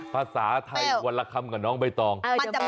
ภาษาไทยวันละคำกับน้องใบตอง